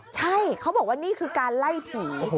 ใช่เขาบอกว่านี่คือการไล่ผี